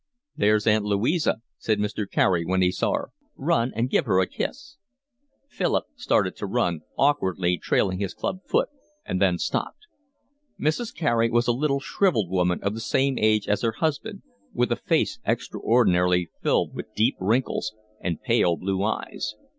"There's Aunt Louisa," said Mr. Carey, when he saw her. "Run and give her a kiss." Philip started to run, awkwardly, trailing his club foot, and then stopped. Mrs. Carey was a little, shrivelled woman of the same age as her husband, with a face extraordinarily filled with deep wrinkles, and pale blue eyes.